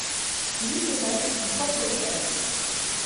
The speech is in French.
Il eut pour maître son propre père.